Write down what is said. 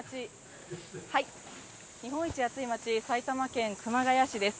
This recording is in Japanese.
日本一暑い街、埼玉県熊谷市です。